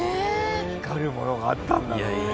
光るものがあったんだろうね。